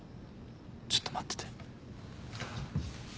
ちょっと待ってて。